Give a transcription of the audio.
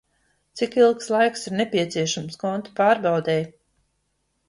Cik ilgs laiks ir nepieciešams konta pārbaudei?